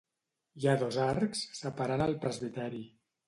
Hi ha dos arcs separant el presbiteri.